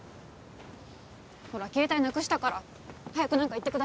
ほら携帯なくしたから早く何か言ってください